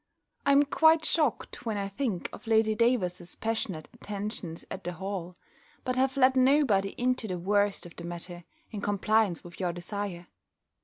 I am quite shocked, when I think of Lady Davers's passionate intentions at the hall, but have let nobody into the worst of the matter, in compliance with your desire.